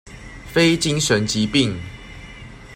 非精神疾病